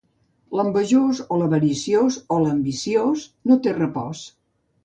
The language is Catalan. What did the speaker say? L'envejós o l'avariciós, o l'ambiciós no té repòs.